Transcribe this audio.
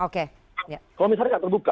kalau misalnya nggak terbuka